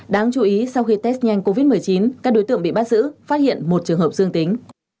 đáng chú ý sau khi test nhanh covid một mươi chín các đối tượng bị bắt giữ phát hiện một trường hợp dương tính